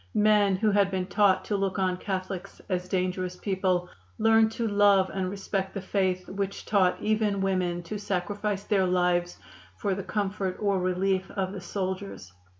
Men who had been taught to look on Catholics as dangerous people learned to love and respect the faith which taught even women to sacrifice their lives for the comfort or relief of the soldiers.